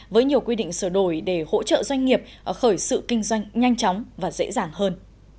với nhiều quy định sửa đổi để hỗ trợ doanh nghiệp khởi sự kinh doanh nhanh chóng và dễ dàng hơn